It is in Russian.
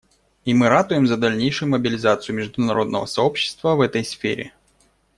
И мы ратуем за дальнейшую мобилизацию международного сообщества в этой сфере.